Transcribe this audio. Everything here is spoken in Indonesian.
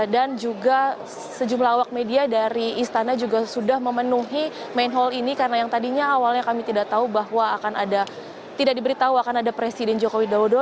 dan juga sejumlah awak media dari istana juga sudah memenuhi main hall ini karena yang tadinya awalnya kami tidak tahu bahwa akan ada tidak diberitahu akan ada presiden jokowi dodo